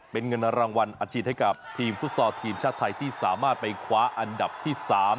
เป็นเงินรางวัลอาชีพให้กับทีมฟุตซอลทีมชาติไทยที่สามารถไปคว้าอันดับที่๓